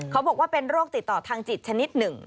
เขาบอกว่าเป็นโรคติดต่อทางจิตชนิดหนึ่ง